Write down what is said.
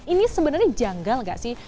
ini sebenarnya janggal gak sih